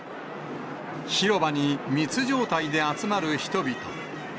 広場に密状態で集まる人々。